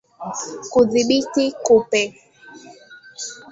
Kudhibiti kupe